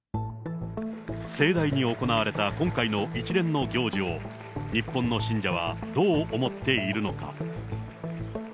盛大に行われた今回の一連の行事を、日本の信者はどう思っているのか。